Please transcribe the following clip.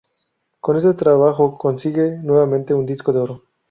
Con este trabajo consigue nuevamente un disco de oro.